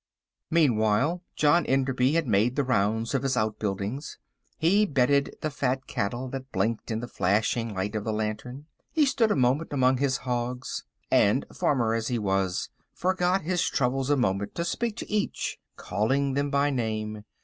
Meanwhile John Enderby had made the rounds of his outbuildings. He bedded the fat cattle that blinked in the flashing light of the lantern. He stood a moment among his hogs, and, farmer as he was, forgot his troubles a moment to speak to each, calling them by name.